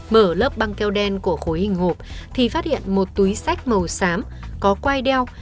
mở lớp băng keo đen của khối hình hộp thì phát hiện một túi sách màu xám có quai đeo